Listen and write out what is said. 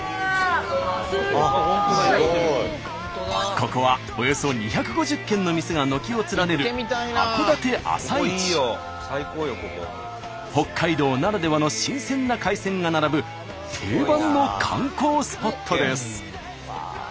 ここはおよそ２５０軒の店が軒を連ねる北海道ならではの新鮮な海鮮が並ぶ定番の観光スポットです。